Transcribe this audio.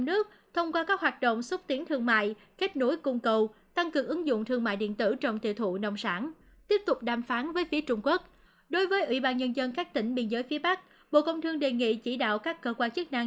bộ cũng đề nghị ủy ban nhân dân các tỉnh biên giới phía bắc bộ công thương đề nghị chỉ đạo các cơ quan chức năng